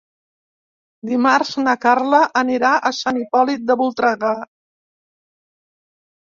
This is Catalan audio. Dimarts na Carla anirà a Sant Hipòlit de Voltregà.